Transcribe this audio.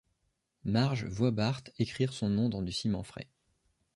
Marge voit Bart écrire son nom dans du ciment frais.